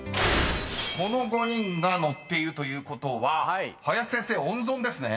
［この５人が乗っているということは林先生温存ですね］